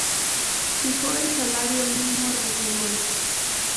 Fijó el salario mínimo regional.